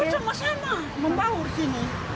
bersama sama membawa sini